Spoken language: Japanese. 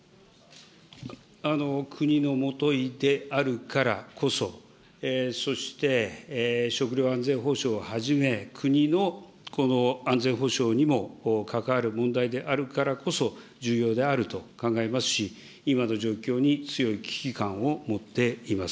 国の基であるからこそ、そして、食料安全保障をはじめ、国の安全保障にも関わる問題であるからこそ、重要であると考えますし、今の状況に強い危機感を持っています。